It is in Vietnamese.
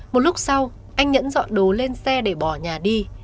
một lúc sau anh nhẫn dọn đồ lên xe để bỏ nhà đi